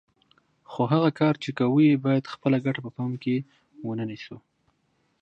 خو هغه کار چې کوو یې باید خپله ګټه په پام کې ونه نیسو.